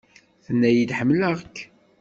Tenna-yi-d ḥemmleɣ-k.